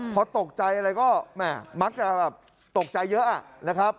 เพราะตกใจอะไรก็แม่มักจะตกใจเยอะอะนะครับ